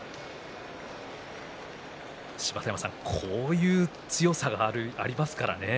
芝田山さん、こういう強さがあるんですね。